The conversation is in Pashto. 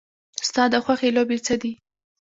ستا د خوښې لوبې څه دي؟